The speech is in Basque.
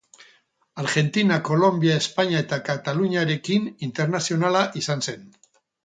Argentina, Kolonbia, Espainia eta Kataluniarekin internazionala izan zen.